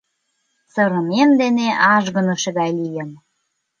Сырымем дене ажгыныше гай лийым.